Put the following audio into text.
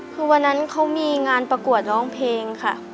คือวันนั้นเขามีงานประกวดร้องเพลงค่ะ